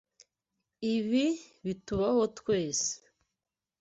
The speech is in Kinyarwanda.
Ibi bitubaho twese.